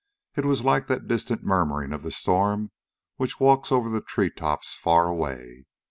It was like that distant murmuring of the storm which walks over the treetops far away.